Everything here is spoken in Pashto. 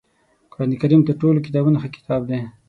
قرآنکریم تر ټولو کتابونو ښه کتاب دی